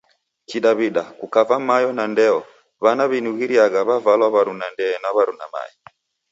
Kidaw'ida, kukava mayo na ndeyo w'ana w'inughiriagha w'avalwa w'aruna ndee na w'aruna mae.